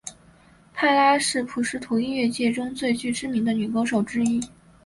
帕拉是普什图音乐界中最知名的女歌手之一。